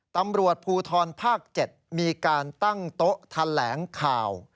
ตำรวจภูทรภาค๗มีการตั้งโต๊ะแถลงข่าว